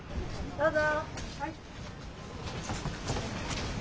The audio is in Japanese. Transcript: どうぞ。